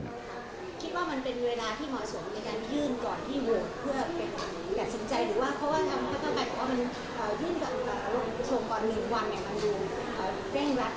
คิดว่ามันเป็นเวลาที่ฮสวมจะก้อนยื่น